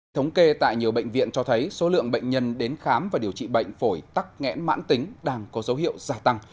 thống kê tại nhiều bệnh viện cho thấy số lượng bệnh nhân đến khám và điều trị bệnh phổi tắc nghẽn mãn tính đang có dấu hiệu gia tăng